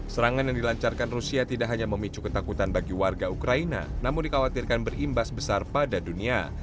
serangan yang dilancarkan rusia tidak hanya memicu ketakutan bagi warga ukraina namun dikhawatirkan berimbas besar pada dunia